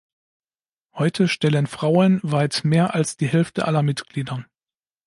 Heute stellen Frauen weit mehr als die Hälfte aller Mitglieder.